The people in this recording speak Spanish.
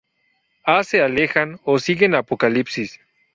A se alejan o sigue Apocalipsis.